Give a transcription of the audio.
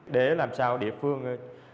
để làm sao địa phương